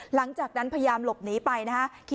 หลังจากนั้นพยายามหลบหนีไปนะครับ